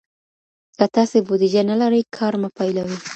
که تاسي بوديجه نلرئ، کار مه پيلوئ.